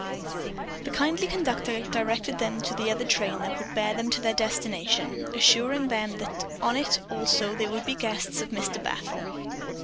The kindly conductor directed them to the other train that would bear them to their destination, assuring them that on it, also, they would be guests of Mr. Bethel.